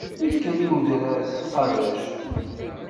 Ikker i wedrar s tqabact.